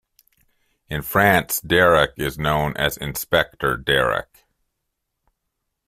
In France, "Derrick" is known as "Inspecteur Derrick".